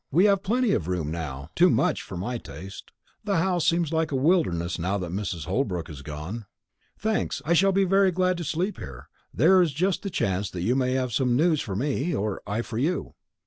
We've plenty of room now; too much for my taste. The house seems like a wilderness now Mrs. Holbrook is gone." "Thanks. I shall be very glad to sleep here. There is just the chance that you may have some news for me, or I for you."